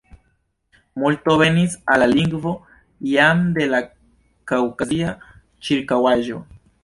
Multo venis al la lingvo jam de la kaŭkazia ĉirkaŭaĵo.